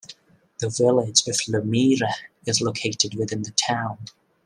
The Village of Lomira is located within the town.